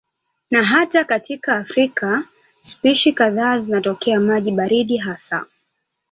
Na hata katika Afrika spishi kadhaa zinatokea maji baridi hasa.